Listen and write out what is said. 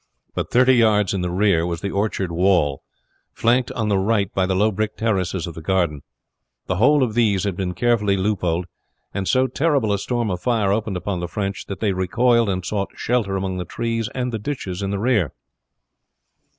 But thirty yards in the rear was the orchard wall, flanked on the right by the low brick terraces of the garden. The whole of these had been carefully loopholed, and so terrible a storm of fire opened upon the French that they recoiled and sought shelter among the trees and ditches in the rear.